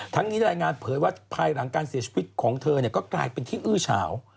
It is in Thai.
นี้รายงานเผยว่าภายหลังการเสียชีวิตของเธอก็กลายเป็นที่อื้อเฉา